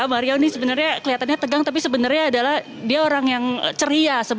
mario ini sebenarnya kelihatannya tegang tapi sebenarnya adalah dia orang yang ceria